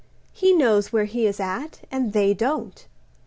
He knows where he is at, And they don't.